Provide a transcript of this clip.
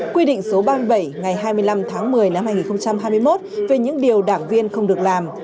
quy định số ba mươi bảy ngày hai mươi năm tháng một mươi năm hai nghìn hai mươi một về những điều đảng viên không được làm